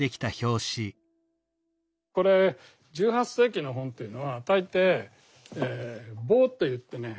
これ１８世紀の本というのは大抵ボーといってね